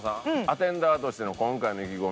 アテンダーとしての今回の意気込み。